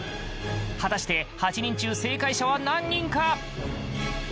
果たして８人中正解者は何人か？